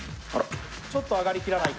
ちょっと上がりきらないか。